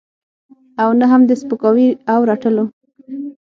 او نه هم د سپکاوي او رټلو.